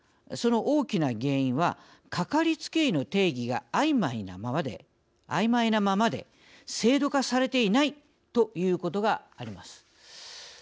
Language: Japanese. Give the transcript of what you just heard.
その大きな原因はかかりつけ医の定義があいまいなままで制度化されていないということがあります。